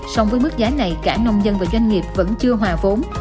song với mức giá này cả nông dân và doanh nghiệp vẫn chưa hòa vốn